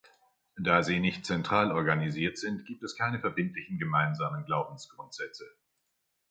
Da sie nicht zentral organisiert sind, gibt es keine verbindlichen gemeinsamen Glaubensgrundsätze.